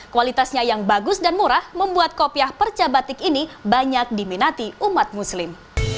kualitasnya yang bagus dan murah membuat kopiah perca batik ini banyak diminati umat muslim